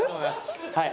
はい。